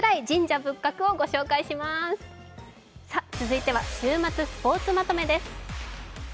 続いては週末スポーツまとめです。